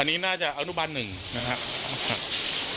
อันนี้น่าจะอนุบันหนึ่งนะครับ